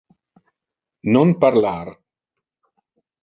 Non parlar!